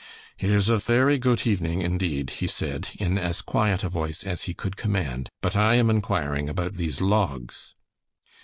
"It is a fery goot evening, indeed," he said, in as quiet a voice as he could command, "but I am inquiring about these logs."